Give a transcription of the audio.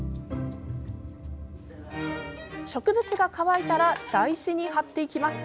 植物が乾いたら台紙に貼っていきます。